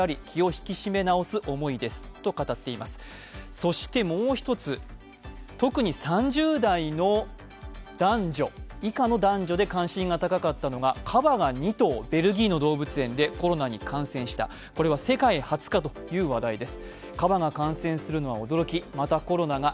そしてもう一つ、特に３０代以下の男女で関心が高かったのがカバが２頭、ベルギーの動物園でコロナに感染した、これは世界初かという話題です。